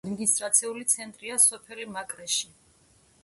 ადმინისტრაციული ცენტრია სოფელი მაკრეში.